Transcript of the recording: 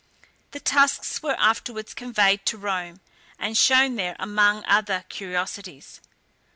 The tusks were afterwards conveyed to Rome, and shown there among other curiosities.